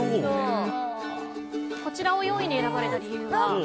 こちらを４位に選ばれた理由は。